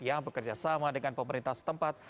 yang bekerjasama dengan pemerintah setempat